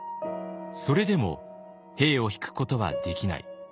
それでも兵を引くことはできない。